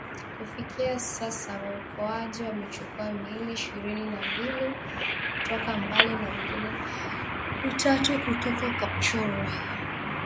Kufikia sasa waokoaji wamechukua miili ishirini na mbili kutoka Mbale na mingine mitatu kutoka Kapchorwa